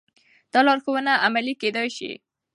دا لارښوونه عملي کېدای شي.